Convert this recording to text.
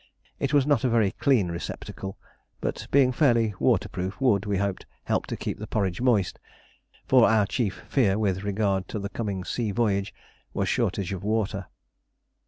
It was not a very clean receptacle, but being fairly waterproof would, we hoped, help to keep the porridge moist; for our chief fear with regard to the coming sea voyage was shortage of water.